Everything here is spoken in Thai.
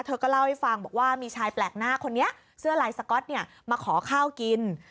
เธอก็เล่าให้ฟังบอกว่ามีชายแปลกหน้าคนนี้เสื้อลายสก๊อตเนี่ยมาขอข้าวกิน